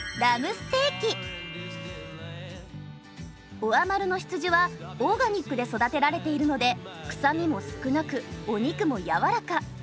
オアマルの羊はオーガニックで育てられているので臭みも少なくお肉も軟らか。